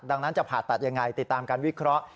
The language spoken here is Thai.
ดังนั้นจะผ่าตัดยังไงติดตามการวิเคราะห์